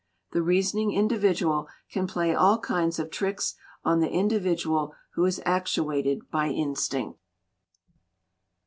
The reasoning individual can play all kinds of tricks on the individual who is actuated by instinct.